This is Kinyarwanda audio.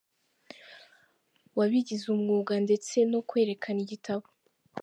wabigize umwuga ndetse no kwerekana igitabo.